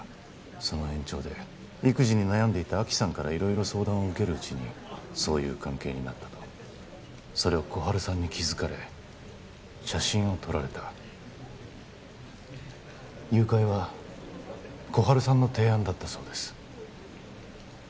その延長で育児に悩んでいた亜希さんから色々相談を受けるうちにそういう関係になったとそれを心春さんに気づかれ写真を撮られた誘拐は心春さんの提案だったそうです